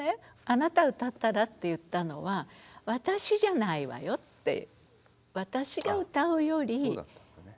「あなた歌ったら」って言ったのは私じゃないわよって。